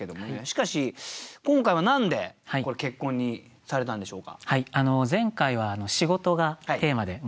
しかし今回は何で「結婚」にされたんでしょうか？